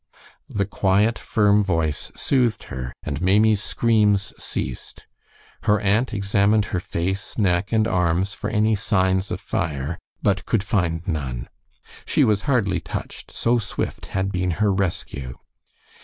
The quiet, firm voice soothed her, and Maimie's screams ceased. Her aunt examined her face, neck, and arms for any signs of fire, but could find none. She was hardly touched, so swift had been her rescue.